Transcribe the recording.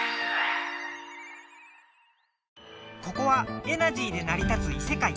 ここはエナジーでなり立ついせかい。